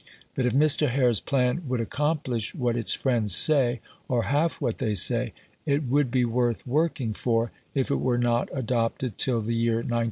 But if Mr. Hare's plan would accomplish what its friends say, or half what they say, it would be worth working for, if it were not adopted till the year 1966.